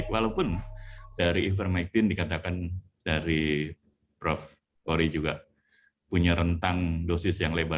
walaupun dari ivermectin dikatakan dari prof ori juga punya rentang dosis yang lebar